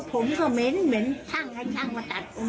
ผมก็เหม็นช่างให้ช่างมาตัด